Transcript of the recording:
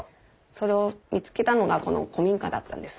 それを見つけたのがこの古民家だったんです。